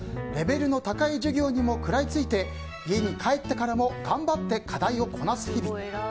レベルの高い授業にも食らいついて家に帰ってからも頑張って課題をこなす日々。